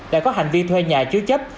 đã có hành vi thuê nhà chứa chấp